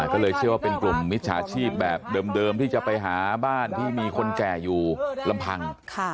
ก็เลยเชื่อว่าเป็นกลุ่มมิจฉาชีพแบบเดิมที่จะไปหาบ้านที่มีคนแก่อยู่ลำพัง